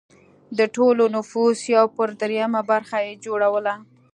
د ټول نفوس یو پر درېیمه برخه یې جوړوله